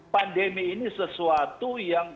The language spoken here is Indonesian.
pandemi ini sesuatu yang